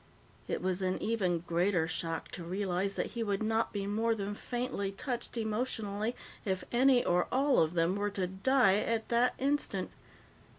It was an even greater shock to realize that he would not be more than faintly touched emotionally if any or all of them were to die at that instant.